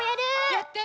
やって。